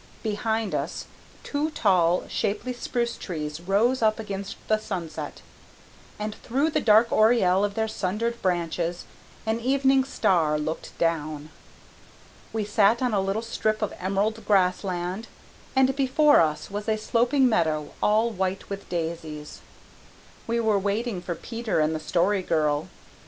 Behind us, two tall, shapely spruce trees rose up against the sunset, and through the dark oriel of their sundered branches an evening star looked down. We sat on a little strip of emerald grassland and before us was a sloping meadow all white with daisies. We were waiting for Peter and the Story Girl.